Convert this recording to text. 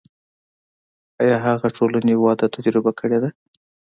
آیا هغه ټولنې وده تجربه کړې ده.